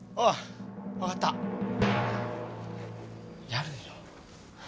やるよ！